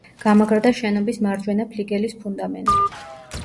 გამაგრდა შენობის მარჯვენა ფლიგელის ფუნდამენტი.